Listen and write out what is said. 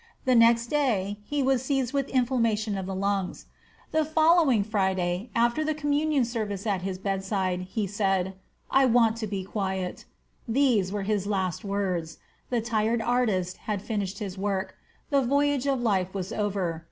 The next day he was seized with inflammation of the lungs. The following Friday, after the communion service at his bedside, he said, "I want to be quiet." These were his last words. The tired artist had finished his work. The voyage of life was over.